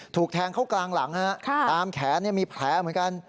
ถูกแทงเข้ากลางหลังตามแขนมีแผลเหมือนกัน